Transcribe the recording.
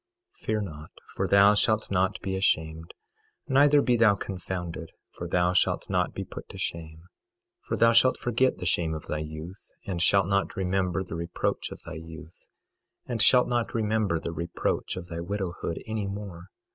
22:4 Fear not, for thou shalt not be ashamed; neither be thou confounded, for thou shalt not be put to shame; for thou shalt forget the shame of thy youth, and shalt not remember the reproach of thy youth, and shalt not remember the reproach of thy widowhood any more.